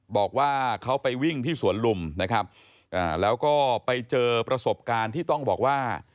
บอกว่าเขาไปวิ่งที่สวนลุมนะครับแล้วก็ไปเจอประสบการณ์ที่ต้องบอกว่า